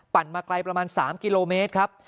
มาไกลประมาณ๓กิโลเมตรครับ